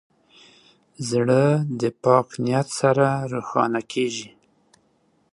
زړه د پاک نیت سره روښانه کېږي.